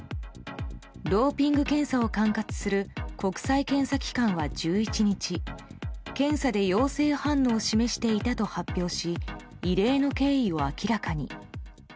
ドーピング検査を管轄する国際検査機関は１１日検査で陽性反応を示していたと発表し異例の経緯を明らかに。